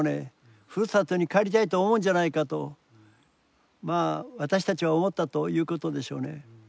ふるさとに帰りたいと思うんじゃないかとまあ私たちは思ったということでしょうね。